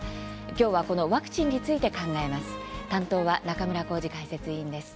今日は、このワクチンについて考えます。